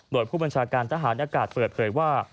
โดยผู้บัญชาการทหารอากาศเปิดเผยว่า